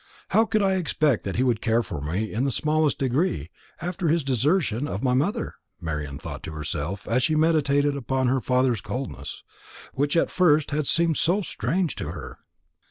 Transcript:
"How could I expect that he would care for me in the smallest degree, after his desertion of my mother?" Marian thought to herself, as she meditated upon her father's coldness, which at first had seemed so strange to her.